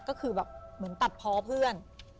ก็คือแบบเหมือนตัดพอเพื่อน